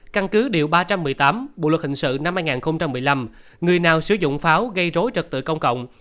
căn cứ điều ba trăm một mươi tám bộ luật hình sự năm hai nghìn một mươi năm người nào sử dụng pháo gây rối trật tự công cộng